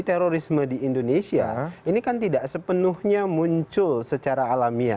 terorisme di indonesia ini kan tidak sepenuhnya muncul secara alamiah